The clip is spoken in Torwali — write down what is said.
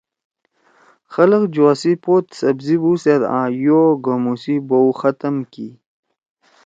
خلگ جُوا سی پوت سبزی بُوسیت آں یو او گھومُو سی بُؤ ختم کی۔